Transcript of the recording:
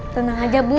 tenang saja bu